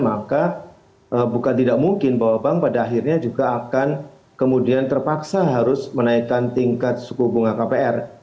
maka bukan tidak mungkin bahwa bank pada akhirnya juga akan kemudian terpaksa harus menaikkan tingkat suku bunga kpr